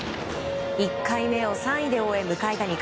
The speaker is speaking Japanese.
１回目を３位で終え迎えた